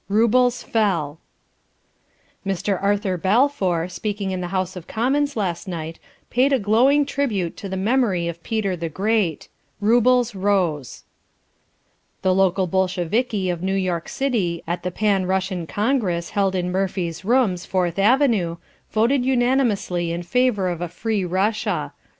Roubles fell." "Mr. Arthur Balfour, speaking in the House of Commons last night, paid a glowing tribute to the memory of Peter the Great. Roubles rose." "The local Bolsheviki of New York City at the Pan Russian Congress held in Murphy's Rooms, Fourth Avenue, voted unanimously in favor of a Free Russia.